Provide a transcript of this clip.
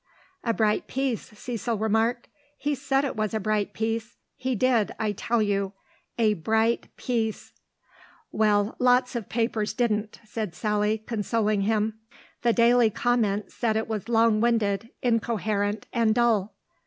"A bright piece," Cecil remarked. "He said it was a bright piece. He did, I tell you. A bright piece." "Well, lots of the papers didn't," said Sally, consoling him. "The Daily Comment said it was long winded, incoherent, and dull."